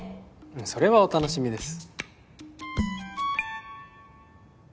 それはお楽しみです。